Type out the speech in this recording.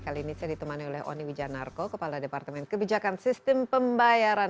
kali ini saya ditemani oleh oni wijanarko kepala departemen kebijakan sistem pembayaran